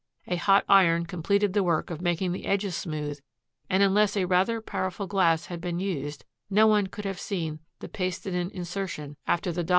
A hot iron completed the work of making the edges smooth and unless a rather powerful glass had been used no one could have seen the pasted in insertion after the $25.